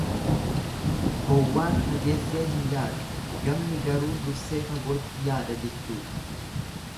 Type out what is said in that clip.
Gowwaan fageessee hin yaadu, gamni garuu dursee fagootti yaada jechuudha.